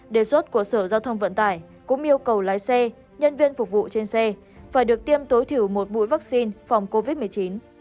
đề xuất của sở giao thông vận tải cũng yêu cầu lái xe nhân viên phục vụ trên xe phải được tiêm tối thiểu một mũi vaccine phòng covid một mươi chín